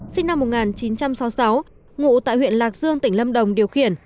sinh năm một nghìn chín trăm sáu mươi sáu ngụ tại huyện lạc dương tỉnh lâm đồng điều khiển